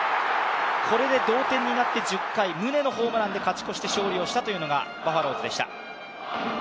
これで同点になって１０回宗のホームランで勝ち越して勝利したというのがバファローズでした。